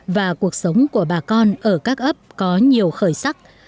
và cuộc sống của bà con ở các ấp có nhiều khởi sắc